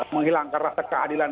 menghilangkan rasa keadilan